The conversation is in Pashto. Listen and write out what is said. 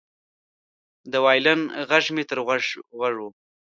د وایلن غږ مې تر غوږ و